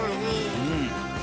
うん。